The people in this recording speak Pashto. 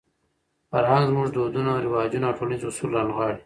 فرهنګ زموږ دودونه، رواجونه او ټولنیز اصول رانغاړي.